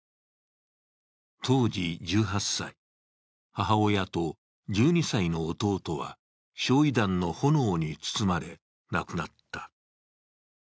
当時１８歳、母親と１２歳の弟は焼い弾の炎に包まれ亡くなった。